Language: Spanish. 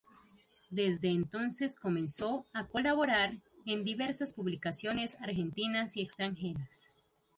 Desde entonces comenzó a colaborar en diversas publicaciones argentinas y extranjeras.